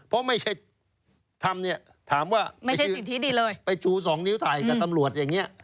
เพราะไม่ใช่ทำถามว่าไปจู่สองนิ้วตายกับตำรวจอย่างนี้